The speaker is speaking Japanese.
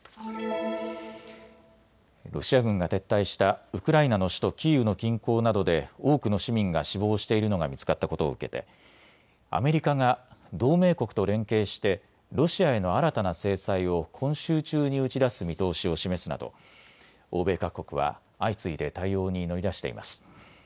ロシア軍が撤退したウクライナの首都キーウの近郊などで多くの市民が死亡しているのが見つかったことを受けてアメリカが同盟国と連携してロシアへの新たな制裁を今週中に打ち出す見通しを示すなど欧米各国は相次いで対応に乗り出しています。